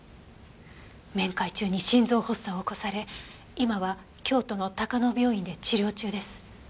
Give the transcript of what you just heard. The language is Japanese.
面会中に心臓発作を起こされ今は京都の高野病院で治療中です。